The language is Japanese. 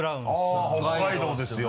あっ北海道ですよ。